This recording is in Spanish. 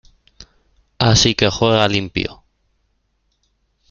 Así que juega limpio.